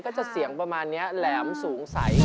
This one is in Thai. ก็จะเสียงประมาณนี้แหลมสูงใส